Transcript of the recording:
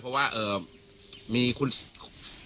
เพราะว่ามีคุณ